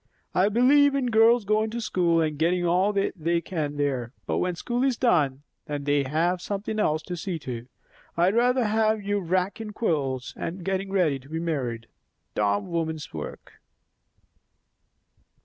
I believe in girls goin' to school, and gettin' all they can there; but when school is done, then they have something else to see to. I'd rather have you raakin' quilts and gettin' ready to be married; dom' women's work."